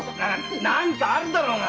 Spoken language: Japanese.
何かあるだろうが。